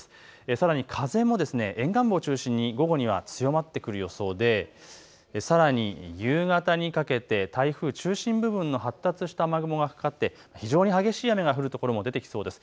さらに、風も沿岸部を中心に午後には強まってくる予想でさらに夕方にかけて台風中心部分の発達した雨雲がかかって非常に激しい雨が降るところも出てきそうです。